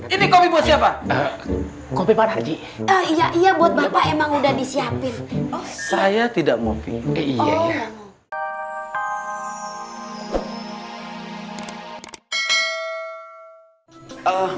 ini kopi siapa kopi pak haji iya iya buat bapak emang udah disiapin saya tidak mau